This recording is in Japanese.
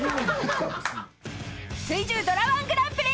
［水１０ドラ−１グランプリ］